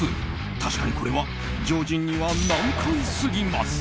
確かにこれは常人には難解すぎます。